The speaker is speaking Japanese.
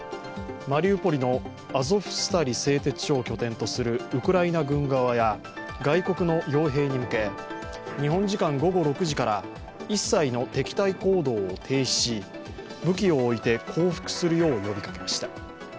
マリウポリのアゾフスタリ製鉄所を拠点とするウクライナ軍側や外国のよう兵に向け、日本時間午後６時から一切の敵対行動を停止し武器を置いて降伏するよう呼びかけました。